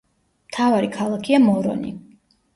მთავარი ქალაქია მორონი.